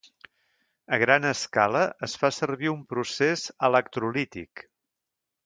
A gran escala es fa servir un procés electrolític.